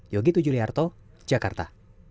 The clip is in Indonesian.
yogi tujuliarto jakarta